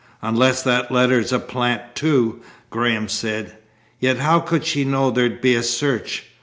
"Unless that letter's a plant, too," Graham said. "Yet how could she know there'd be a search?